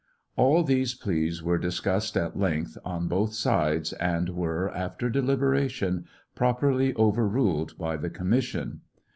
All these pleas were discussed at length on both sides, and were, after delib eration, properly overruled by the commission.